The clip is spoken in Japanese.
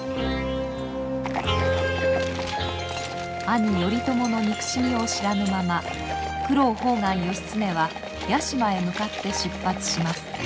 兄頼朝の憎しみを知らぬまま九郎判官義経は屋島へ向かって出発します。